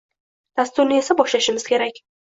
Dasturni esa boshlashimiz kerak.